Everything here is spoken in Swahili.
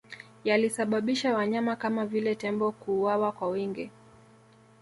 Yalisababisha wanyama kama vile tembo kuuawa kwa wingi